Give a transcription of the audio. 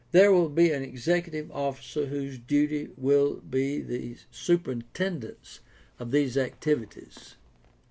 There will be an executive officer whose duty will be the superintendence of these activities.